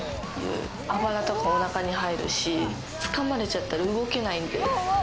アバラとかお腹に入るし、つかまれちゃったら動けないんで。